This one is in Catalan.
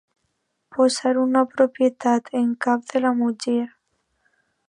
Posar una propietat en cap de la muller.